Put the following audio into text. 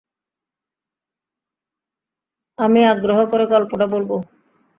আমি আগ্রহ করে গল্পটা বলব।